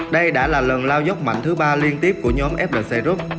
đây đã là lần lao dốc mạnh thứ ba liên tiếp của nhóm flc rút